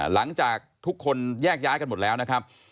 หลังจากทุกคนแยกย้ายกันหมดแล้วนะครับ